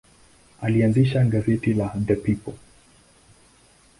Alianzisha gazeti la The People.